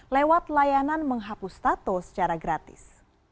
lewat layanan menghapus tato secara gratis